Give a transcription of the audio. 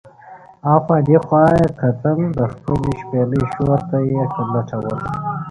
اخوا دې خوا یې کتل، د خپلې شپېلۍ شور ته یې لټوله.